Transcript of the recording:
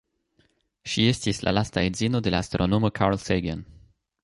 Ŝi estis la lasta edzino de la astronomo Carl Sagan.